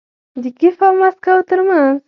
د کیف او مسکو ترمنځ